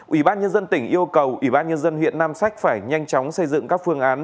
ủy ban nhân dân tỉnh yêu cầu ủy ban nhân dân huyện nam sách phải nhanh chóng xây dựng các phương án